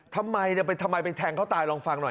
ทำไมไปแทงเขาตายลองฟังหน่อย